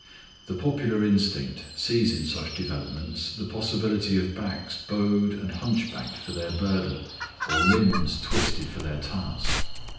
The popular instinct sees in such developments the possibility of backs bowed and hunch backed for their burden, or limbs twisted for their task.